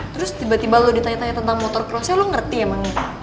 terus tiba tiba lo ditanya tanya tentang motor crossnya lo ngerti emang